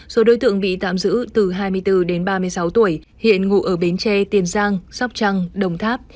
số đối tượng bị tạm giữ từ hai mươi bốn đến ba mươi sáu tuổi hiện ngụ ở bến tre tiền giang sóc trăng đồng tháp